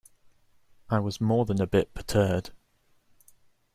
I was more than a bit perturbed.